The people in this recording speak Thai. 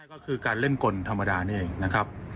ก็คือการเล่นกลธรรมดานี่เองนะครับ